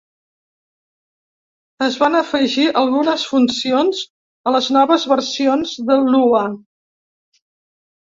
Es van afegir algunes funcions a les noves versions de Lua.